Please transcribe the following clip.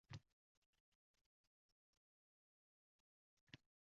narsalarni jamiyatning bir qismidan talab qilish to‘g‘ri emas.